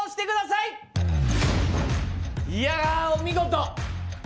いやお見事。